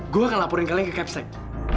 gue akan laporin kalian ke kepsec